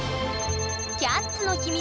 「キャッツ」の秘密